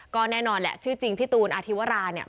ก็แน่นอนแหละชื่อจริงพี่ตูนอธิวราเนี่ย